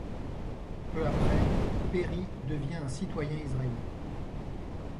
Peu après, Perry devient un citoyen israélien.